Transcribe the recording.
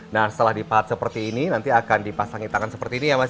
nah setelah dipahat seperti ini nanti akan dipasangi tangan seperti ini ya mas